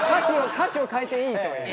歌詞を変えていいという。